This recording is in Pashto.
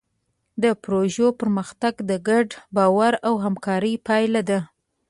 د پيژو پرمختګ د ګډ باور او همکارۍ پایله ده.